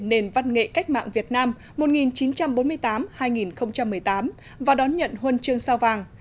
nền văn nghệ cách mạng việt nam một nghìn chín trăm bốn mươi tám hai nghìn một mươi tám và đón nhận huân chương sao vàng